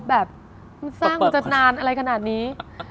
ครบแบบสร้างมาจากนานอะไรขนาดนี้